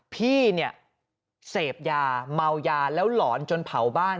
พี่เนี่ยเสพยาเมายาแล้วหลอนจนเผาบ้าน